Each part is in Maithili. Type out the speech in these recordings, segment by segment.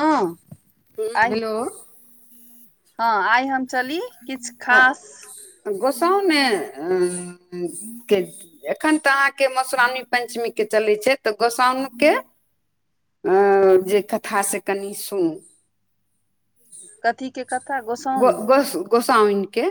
ह आ हेलो ह आइ हम चली किछु खास अ गोसाउ मे के एखन तऽ अहाँकेँ मश्रावणी पञ्चमी के चलैत छै तऽ गोसाउ के अंअ जे कथा से कनि सुनु कथि के कथा गोसाउन गोसाउन के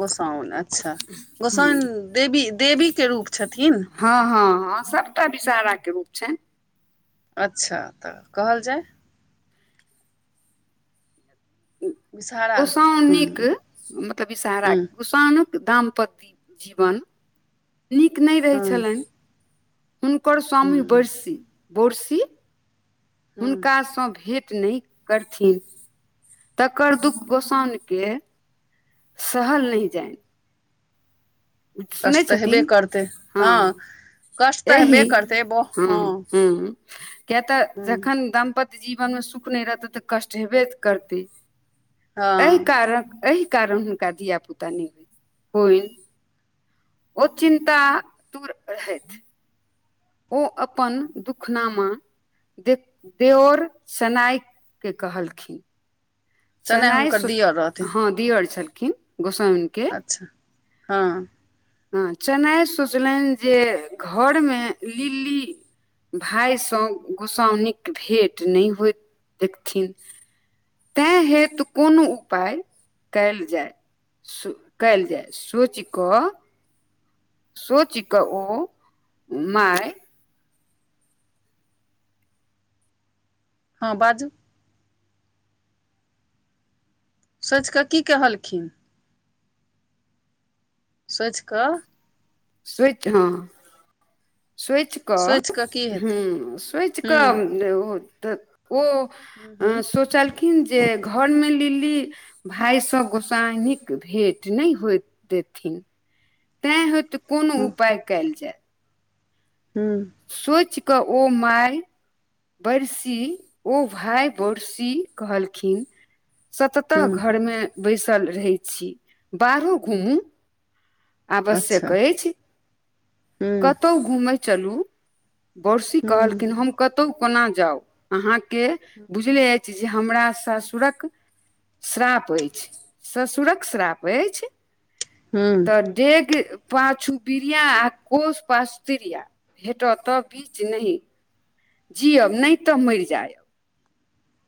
गोसाउन अच्छा, गोसाउन देवी देवी के रूप छथिन? ह ह ह सभटा विषहाराके रूप छैन अच्छा तऽ कहल जाय। विषहारा हँ गोसाउनीक मतलब विषहारा हँ कऽ कुसानुक दाम्पत्य जीवन नीक नहि रहै हँ छलनि हुनकर स्वामी हँ बड़सी, बोडसी हँ हुनकासँ भेट नहि करथिन। तकर दुख गोसाउन के सहल नहि जाय। कष्ट सुनैत तऽ हेबे छथिन? करतै हा हँ कष्ट तऽ हेबे एही करतै बो ह। हँ हँ किया कि तऽ हँ जखन दाम्पत्य जीवन मे सुख नहि रहतै त कष्ट हेबे करतै एहि हँ कारण, एहि कारण हुनका धिया पुता नहि होइ होइल ओ चिन्ता तूर रहैत। ओ अपन दुखनामा द देवोर सनाइके कहलखिन चेन्नइ सेनाइ हुनकर स, दिअ रहथिन हँ दुईयो अर छलखिन गोसाविन के अच्छा ह ह, चेन्नइ सोचलनि जे घरमे लिली भायस गोसाउनी कऽ भेट नहि होइत देखथिन तै हेतु कोनो उपाय कयल जाय सोच कएयल जाइ सोच क सोच कऽ ओ माय ह बाजू सोचि कऽ कि कहलखिन? सोच कऽ स्विच ह सोयच सोचि कऽ, की हेतै हूँ हूँ सोयचकऽ तऽ ओ हूँ हूँ अ सोचलखिन जे घर मे लिली भायसँ गोसाइनी कऽ भेट नहि होइत देथिन तै होते कोनो हँ उपाय कयल जाय हू। सोच ए कऽ ओ माय बड़सी ओ भाय बड़सी कहलखिन। सतत हुँ घरमे बैसल रहैत छी, बाहरो घूमू अच्छा आवश्यक छी। हुँ कतहु घुमै चलू बरसी हुँ कहलखिन हम कऽ कोना जाउ अहाँकेँ बुझले। ज हमरा ससुरक श्राप अछि ससुरक श्राप अछि। हू तऽ डेग पाछू बिरिया आ कोश पाछु तिरिया भेटत तब बीच नहि जियब नहि तऽ मरि जाय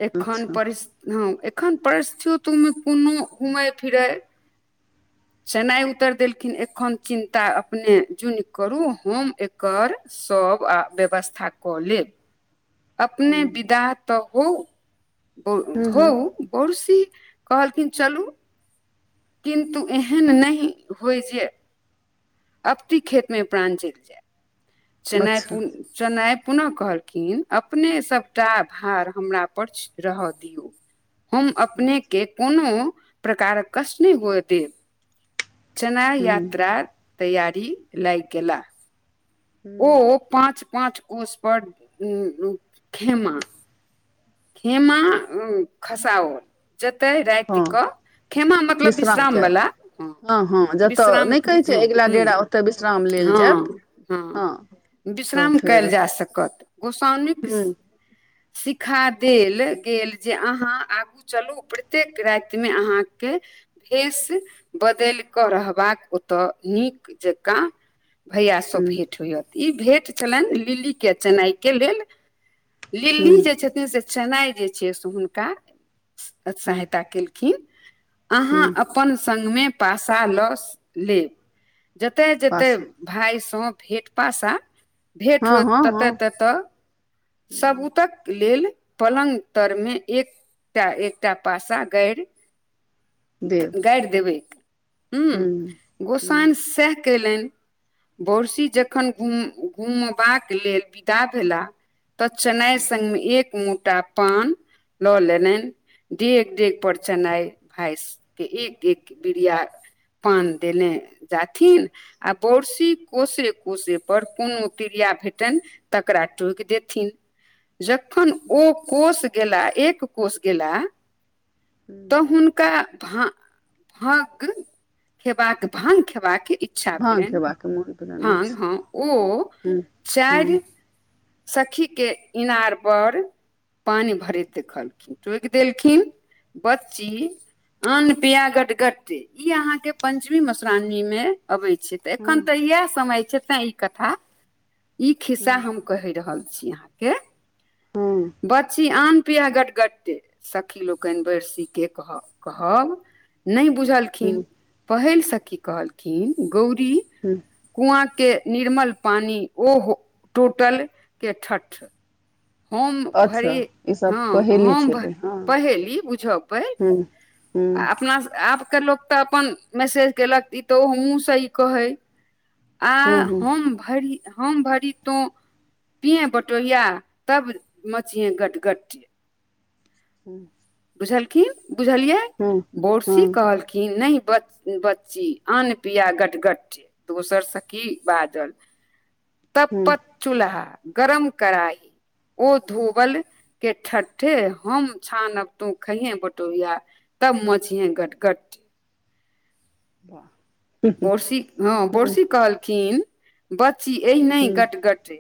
एखन अच्छा परिस्, हँ एखन परिस्थोतमे कोनो घुमै फिरै सेनाइ उतरि देलखिन एखन चिन्ता अपने जुन करू हम एकर। सभ आ व्यवस्था कऽ लेब। अपने हुँ विदा तऽ हो हुँ हो। हुँ पड़ोसी कहलखिन चलू। किन्तु एहन नहि होय जे। अबति खेत मऽ प्राण चलि जाय चेन्नइ अच्छा पुन चेन्नइ पुनः कहल। खिन अपने सबटा भार हमरा पर रहय दियऔ। हम अपनेके कोनो प्रकारक कष्ट नहि हुए देेब। चना हुँ यात्राक तैयारी लागि गेलाह? हुँ ओ पाँच पाँच कोश पर उ खेमा। खेमा खसाओल जतै रात हँ कऽ। खेमा मतलब विश्राम किया विश्रामवला हँ विश्राम हँ हू हू तऽ विश्राम लेल जायत हँ। तऽ विश्राम फेर कयल जा सकत गोसाउामिक। हुँ सिखा देल गेल जे अहाँ आगू। चलू प्रत्येक राति मऽ अहाँके। फेस बदलि कऽ रहबाक ओतऽ नीक जकाँ। भैया सँ हुँ भेँट होइयत ई भेँट छलनि लिलीके चेनाइके लेल। लिल्ली हुँ जे छथिन से चेन्नाई जे छै से हुनका हुँ सहायता केलक। खिन अहाँ हुँ अपन सङ्गमे पासा लऽ लेब। जते जते पासा भााय सब भेट पासा भेट हँ होत हँ हँ तते तते। सबूतक लेल पलङ्ग तरमे एक। एकटा एकटा पासा गड़ि। [inaudible] गड़ि देबै हू हुँ हुँ गोसाईं सएह कयलनि। बरसी जखन घुम घुमबाक लेल विदा भेला। तऽ चेनाइ संगमे एक मोटा। पान लऽ लेलनि डेग डेग पर चेनाइ भाइस। के एक एक बिरिया पान देने जाथिन। आ बोरसी कोसे कोसे पर कोनो क्रिया भेटनि तकरा टोकि देत। थिन जखन ओ कोस गेला एक कोष गेला हुँ तऽ हुनका भ भक खेबाक भा्ग खेबाक। इचछा भाँग भेलनि खेबाक मोन भेलनि भांग अछि ह ओ हुँ हुँ चारि सखीके इनारपर पानि भरैत देखलखिन टोकि देलखिन। बच्ची अन्न पिया गट गटट इ अहा के पं्चमी मधुश्रावणी में अबे छै। त हँ एखन तऽ इएह समय छै तें ई कथा ई खिस्सा हुँ हम कहि रहल छी अहाँके! हँ बच्ची आन पिया गटगटटे सखी लोकनि बर्सी कऽ कह कहब। नहि हुँ बुझलखिन पहिल सँकि कहलखिन गौरी हू कुआ के निर्मल पानि ओहो टोटल के ठठ हम अच्छा भरी ई सब हँ पहेली हम भऽ छलै हँ पहेली बुझऽ पड़ हुँ आ हुँ अपना आप के लोक तऽ अपन मैसेज केलक ई तऽ ओ हमूँ सही कहे आ हुँ हुँ हम भरि हम भरी तो पिय बटोहिय तब मछी गट गट। हँ बुझलखिन बुझलियै बोरसी हुँ कहलखिन नहि बच्ची अन पिया गटगटे दोसरसँ कि बाजल। तप हुँ पत चूल्हा गरम काही। ओ धोबल के ठठे हम छानब। तो खइहै बटोहीया तब मची हे गट गट वाह बोरसी ह हुँ बोड़सी कहलखिन बच्ची एनहि हुँ कटगटे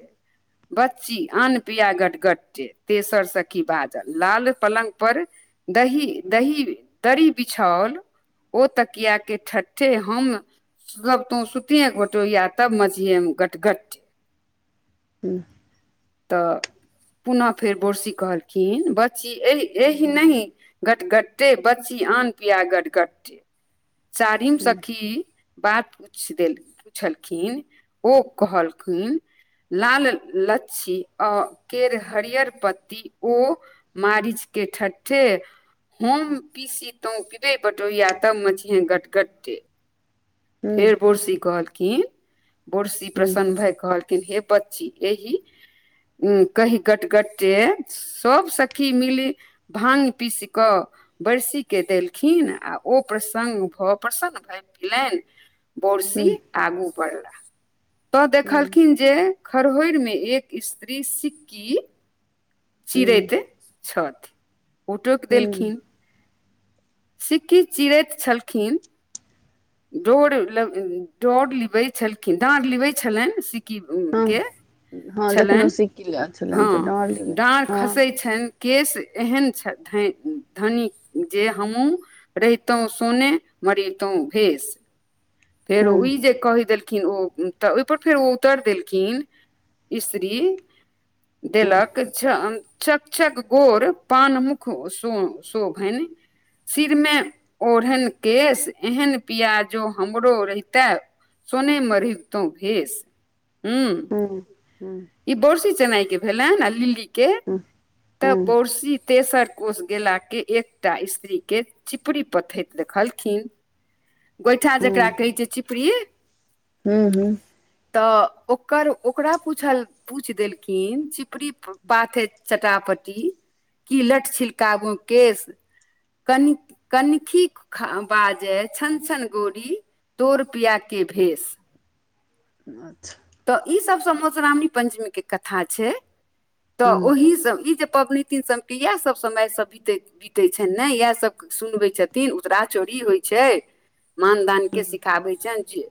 बच्ची आन पिया गट गटे तेसरसँ कि बाजल लाल पलङ्ग पर दही दही बिछाओल ओ तकियाके ठट्ठे हम सभ तो सुतेके घोटोय तब मछिये मे गट गट हूँ। त पुन फेर बोरसी कहलखिन बच्ची ए एह नह घट गटटे बची आन पिया गट गटटे चारि मा हुँ सखी बात पूछ देल पुछलखिन ओ कहलखिन। लाल लच्छी आ केर हरियर पत्ती ओ मारिच के ठठ्ठे। हम पीसी तो पिबे बटोय तब मच हे गट गटे हुँ हुँ फेर पोड़सी कहलखिन। बोड़सी हुँ प्रसन्न भय कहलखिन ह बच्ची एहिह कहि गटगटटे सभ सखी मिली भाग पीस क बर्स के देलखिन आ ओ प्रसङ्ग भ प्रसन्न भऽ भेलनि बोरसी आगू बढ़ला त देखलखिन जे खरहोइर मे एक स्त्री सिक्की हुँ चिरैत छ ओटोक हुँ देलखिन सिक्की चिड़ैत छलखिन। डोर लऽ डोर लिबै छलखिन डाढ़ लिबे छलनि के हँ हँ जखने ओ छलनि सिक्की लैल छलनि तऽ हँ डाँरली डाँढ़ हँ खसै छनि केश एहन छथि धनी जे हमहूँ रहितो सोने मरीतहु भेष फेर हुँ ई जे कहि देलकऽ न ओ तऽ ओहिपर फेर ओ उतरि देलखिन स्त्री हुँ देलक चान चकचक गोर पानमुख शो शोभनि। सिरमे ओढ़न केश एहन पिया जो हमरो रहिते सोने मेरगतहु भष हूँ ह ह इ बोड़सी चेनाई के भेल हन आ लिल्ली के तऽ हुँ बोड़सी तेसर कोष गेला कऽ एकटा स्त्री के चिपरी पथैत देखलखिन। गोइठा जकरा कहै छै चिपरीी हू हू। तऽ ओकर ओकरा पूछल पूछ देलखिन चिपरी पाथे चटापटी की लट छिलकागू केश कन कनखी ख बाजय छन छन गोरी तोर पिया कऽ भेष। अच्छा तऽ ई सब सब मधुश्रावणी पंचमी कऽ कथा छै तऽ हुँ ओहि सब ई जे पबनी तीन सब के इएह सब समय सब बीतैत बीतै छनि ने इएहसभ सुनबै छथिन उतरा चोरी होइ छै। मान दानके सिखाबै छनि जे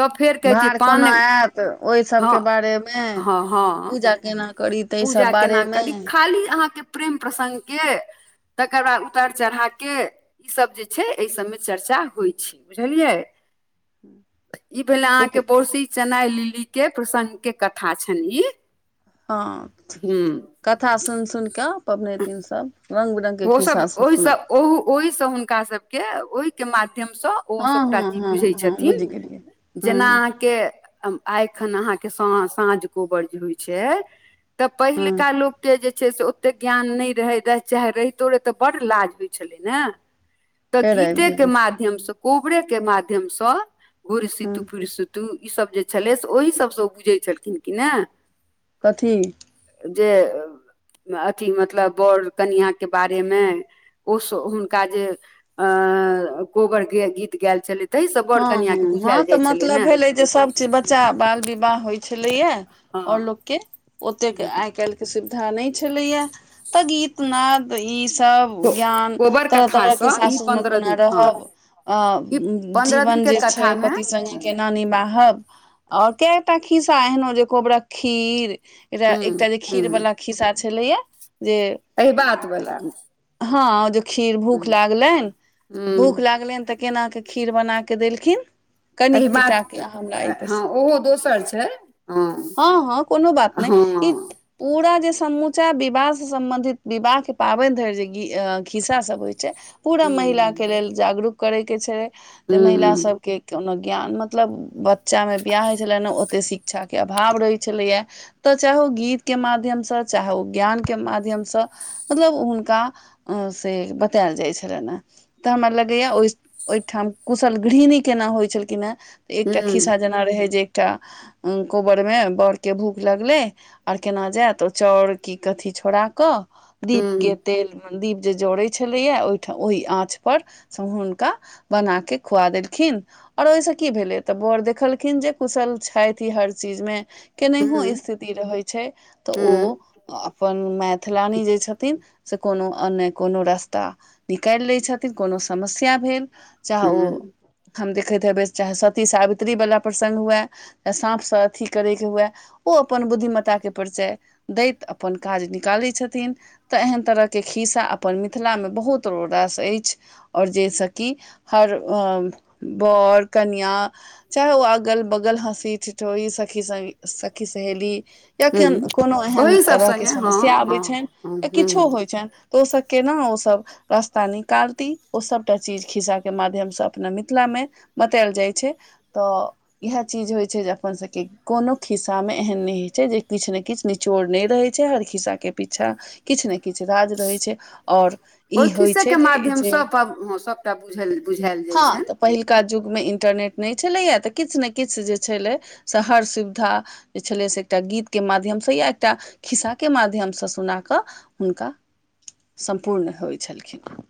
तब फेर कहै छै पान तऽ ओहि सब हँ कऽ बारे मे हँ हँ पूजा केना करी ताहि पूजा सब केना बारेमे करी खाली अहाँके प्रेम प्रसऺगके तकर बाद उतार चढ़ा के ईसभ जे छै एहि सभमे चर्चा होइ छै बुझलियै। ई भेले अहाँके जेकि बड़सी चेनाइ ली के प्रसंग के कथा छनि ई। हँ हू कथा सुनि सुनि कऽ पबनैतिनसभ रंग बिरंग कऽ सब खिस्सा सुनैत ओहिसँ छथि। ओ ओहिसँ हुनका सभके ओहिके माध्यमसँ ओ हँ सभटा हँ चीज बुझै हँ हँ छथिन बुझि गेलियै जेना हँ अहाँके आ एखन अहाँके स साँझ कोबर जे होइ छै तऽ हँ पहिलका लोक कऽ जे छै से ओते ज्ञान नहि रहे चाहे रहतो रहे तऽ बड़ लाज होइत छलै ने तऽ फेर आबि गीतके मा गेलै माध्य सऽ कोबरे के माध्यम से घुड़सत हँ फुड़सत तू ईसभ जे छलै से ओही सभसँ ओ बुझै छलखिन कि नऽ कथी?? जे अथी मतलब बर कनिआके बारेमे ओ हुनका जे अ कोहबर गीत गायएल चलैत ताहिसँ बड़ हँ कनिआके हँ हँ बुझायएल तऽ जाइ छलै मतलब नऽ। भेलै जे सब चीज बच्चा बाल विवाह होय छलैया और हँ लोक के ओतेक आइ काल्हि के सुविधा नहि छलैया तऽ गीतनाद तऽ ईसभ ज्ञान कोबर तरह तरहके कथासँ ई सासुरमे पन्द्रह कोना दिन हँ रहब?? अ ई पन्द्रह दिन जीवन के जे कथा छै मे पति संगे कऽ नानी बाहब आओर कैटा खिस्सा एहनो जे कोबरा खीर एकटा हूं एकटा जे खीर हूं वाला खिस्सा छलेया जे एहिबात बला हँ जे खीर भूख लागलनि हूं भूख लागलनि तऽ केना के खीर बना कऽ देलखिन कनिक एहि बात केटाक यऽ हमरा एहि पर हँ ओहो दोसर छै हँ हँ कोनो बात हँ नहि ई हूं पूरा जे समूचा विवाहसँ सम्बन्धित विवाहके पाबनि धरि जे खिस्सा सब जे होइ छै पूरा महिलाक कऽ हूं लेल जागरूक करय के छल जे महिला हूं सबके कोनो ज्ञानमे मतलब बच्चामे बिआह होइत छलै नऽ ओतेक शिक्षाके अभाव रहैत छलैए। तऽ चाहु ओ गीतके माध्यमसँ चाहे ओ ज्ञान केँ माध्यमसँ मतलब हुनका से बतायल जाइ छलन है तऽ हमरा लगैया ओइ [inaudible] ओइठाम कुशल गृहणी केना होइत छलखिन हे एकटा हूं खिस्सा जेना रहै जे एकटा कोबरमे बड़ केँ भूख लगलै आर केना जायत ओ चाउर की कथि छोड़ा कऽ दीप केँ तेलमे दीप जे जड़ैत छलैया ओहिठ ओहि आँच पर हुनका बना केँ खुआ देलखिन और ओइ स की भेलै तऽ बड़ देखलखिन जे कुशल छैथ ई हर चीज में हूं केनाहियों स्थिति रहै छैय तऽ ओ हूं अ पन मैथिलानी जे छथिन्ह से कोनो अन ने कोनो रस्ता निकाइल लैय छथिन कोनो समस्या भेल चाहे ओ ह्म हम देखैत हेबै चाहे सती सावित्री बला प्रसंग हुए तऽ साफ सँ अथि करैक हुये ओ अपन बुद्धिमत्ता केँ परिचय दैत अपन काज निकालैत छथिन तऽ एहन तरह केँ खिस्सा अपन मिथिलामे बहुत रास ऐछ। और जइ स कि हर अ बर कनिआ चाहे ओ अगल बगल हँसी ठिठोई सखी सखी सहेली या ह्म कोनो एहन ओही सभ तरह केँ सङ्गे हँ समस्या हँ अबैत छैन या ह्म किछो होइत छैन त ओ सब केना ओ सब रास्ता निकालती ओ सबटा चीज खिसा केँ माध्यम से सभ अपना मिथिलामे बतायल जाइ छै तऽ इएह चीज होइ छै जे अपन सब केँ कोनो खिस्सा में एहन नै होे छै जे किछ नै किछ नि चोर नै रहे छैय हर खिस्सा केँ पीछा किछ नै किछ राज रहै छैय और ई होइ छैय जे सब हँ सभटा बुझ बुझायल जाय हँ तऽ छैन पहिलुका युग में इन्टरनेट नै छलैये तऽ किछ नै किछ जे छलै जे हर सुविधा जे छलै से एकटा गीत केँ माध्यम से या एकटा खिस्सा केँ माध्यम से सुना कऽ हुनका [inaudible] सम्पूर्ण होय छलखिन